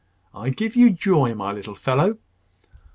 I give you joy, my little fellow!"